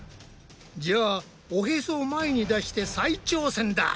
じゃあおヘソを前に出して再挑戦だ。